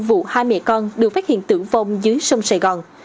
vụ hai mẹ con được phát hiện tử vong dưới sông sài gòn